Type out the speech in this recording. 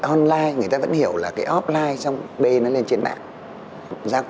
online người ta vẫn hiểu là cái offline xong bê nó lên trên mạng